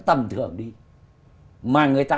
tầm thưởng đi mà người ta